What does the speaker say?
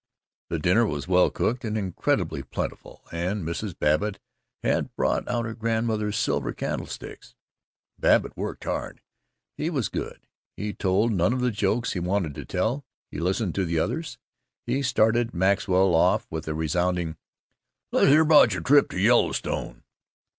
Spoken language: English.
The dinner was well cooked and incredibly plentiful, and Mrs. Babbitt had brought out her grandmother's silver candlesticks. Babbitt worked hard. He was good. He told none of the jokes he wanted to tell. He listened to the others. He started Maxwell off with a resounding, "Let's hear about your trip to the Yellowstone."